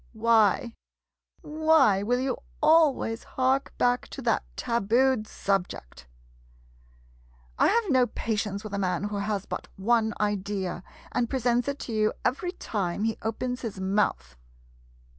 Why — why will you always hark back to that tabooed subject? [Crossly.] I have no patience with a man who has but one idea, and pre sents it to you every time he opens his mouth!